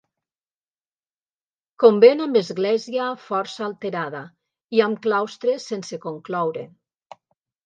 Convent amb església força alterada i amb claustre sense concloure.